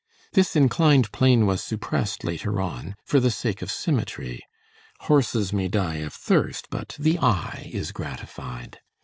This inclined plane was suppressed later on, for the sake of symmetry; horses may die of thirst, but the eye is gratified.